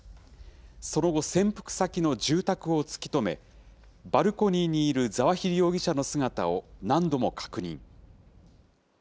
その後、潜伏先の住宅を突き止め、バルコニーにいるザワヒリ容疑者の姿を何度も確認。